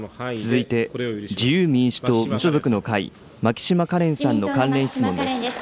続いて自由民主党・無所属の会、牧島かれんさんの関連質問です。